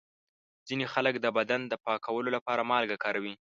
ځینې خلک د بدن پاکولو لپاره مالګه کاروي.